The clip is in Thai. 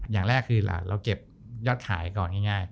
อย่างแรกคือเราเก็บยอดขายก่อนง่าย